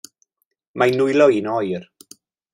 Mae 'nwylo i'n oer.